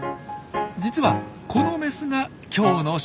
実はこのメスが今日の主役。